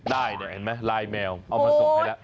ได้เนี่ยเห็นไหมลายแมวเอามาส่งให้แล้ว